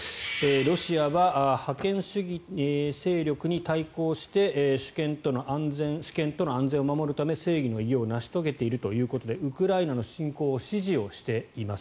ロシアは覇権主義勢力に対抗して主権と安全を守るため正義の偉業を成し遂げているということでウクライナの侵攻を支持しています。